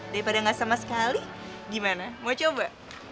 daripada nggak sama sekali gimana mau coba